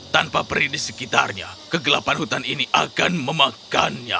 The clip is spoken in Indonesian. tanpa peri di sekitarnya kegelapan hutan ini akan memakannya